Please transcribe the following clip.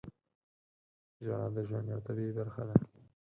• ژړا د ژوند یوه طبیعي برخه ده.